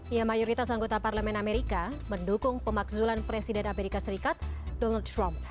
ya mayoritas anggota parlemen amerika mendukung pemakzulan presiden amerika serikat donald trump